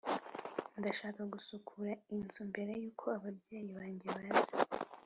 ndashaka gusukura inzu mbere yuko ababyeyi banjye baza